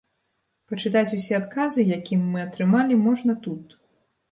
Пачытаць усе адказы, якім мы атрымалі можна тут.